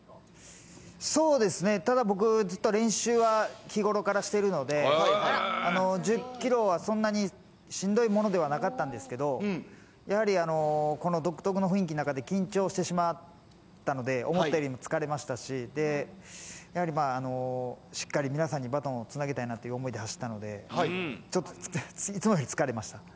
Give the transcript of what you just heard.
そうですね、ただ僕、ずっと練習は日頃からしてるので、１０キロはそんなにしんどいものではなかったんですけど、やはりこの独特な雰囲気の中で緊張してしまったので、思ったよりも疲れましたし、やはりしっかり皆さんにバトンをつなげたいなという想いで走ったので、ちょっと、いつもより疲れました。